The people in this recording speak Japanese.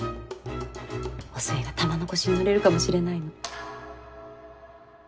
お寿恵が玉のこしに乗れるかもしれないの。